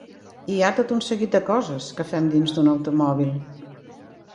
Hi ha tot un seguit de coses que fem dins d'un automòbil.